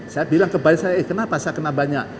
saya bilang ke banyak saya kena apa saya kena banyak